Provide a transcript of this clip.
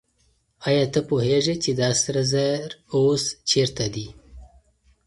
آیا ته پوهېږې چې دا سره زر اوس چېرته دي؟